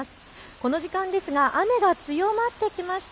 この時間ですが雨が強まってきました。